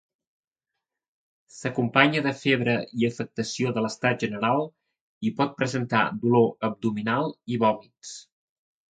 S'acompanya de febre i afectació de l'estat general, i pot presentar dolor abdominal i vòmits.